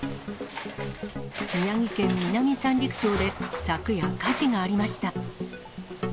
宮城県南三陸町で、昨夜火事がありました。